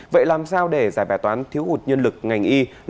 vậy làm sao để giải bài toán thiếu hụt nhân lực ngành y